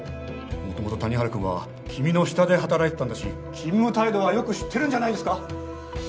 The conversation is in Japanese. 元々谷原君は君の下で働いてたんだし勤務態度はよく知ってるんじゃないですか？